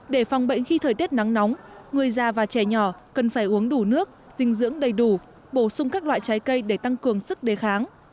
để phòng bệnh khi thời tiết nắng nóng người già và trẻ nhỏ cần phải uống đủ nước dinh dưỡng đầy đủ bổ sung các loại trái cây để tăng cường sức đề kháng